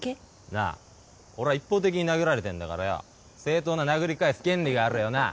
なあ俺は一方的に殴られてんだからよう正当な殴り返す権利があるよなぁ？